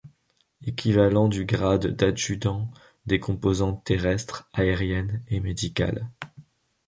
Équivalent du grade d'adjudant des composantes terrestre, aérienne et médicale.